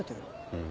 うん。